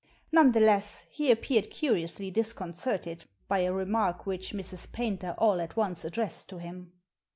None the less, he appeared curiously disconcerted by a remark which Mrs. Paynter all at once addressed to him.